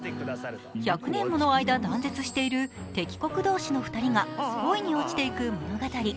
１００年もの間、断絶している敵国同士の２人が恋に落ちていく物語。